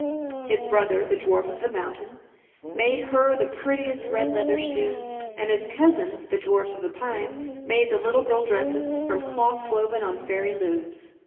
His brother, the dwarf of the mountain, made her the prettiest red leather shoes, and his cousins, the dwarfs of the pines, made the little girl dresses from cloth woven on fairy looms.